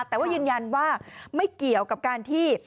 แต่ว่ายืนยันว่าไม่เกี่ยวกับการที่